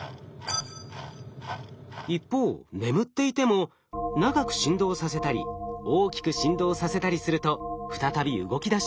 一方眠っていても長く振動させたり大きく振動させたりすると再び動きだします。